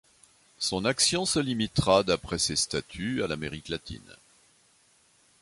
Son action se limitera d'après ses statuts à l'Amérique Latine.